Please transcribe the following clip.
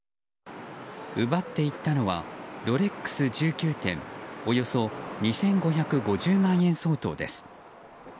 奪っていったのはロレックス１９点およそ２５５０万円相当です。